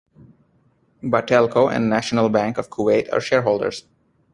Batelco and National Bank of Kuwait are shareholders.